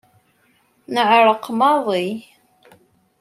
Neεreq maḍi.